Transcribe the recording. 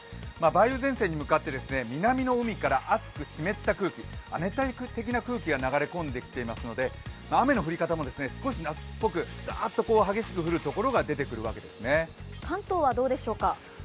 梅雨前線に向かって南の海から熱く湿った空気、亜熱帯的な空気が入ってきますので雨の降り方も少し夏っぽく、ザーッと降る所が出てくるわけですね。